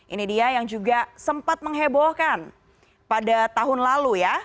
ini dia yang juga sempat menghebohkan pada tahun lalu ya